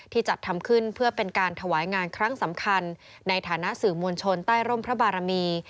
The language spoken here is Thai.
จัดทำขึ้นเพื่อเป็นการถวายงานครั้งสำคัญในฐานะสื่อมวลชนใต้ร่มพระบารมี